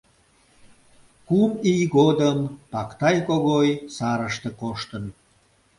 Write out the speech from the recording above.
Кум ий годым Пактай Когой сарыште коштын.